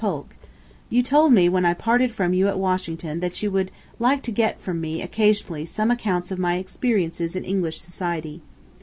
POLK: you told me when I parted from you at Washington that you would like to get from me occasionally some accounts of my experiences in English society.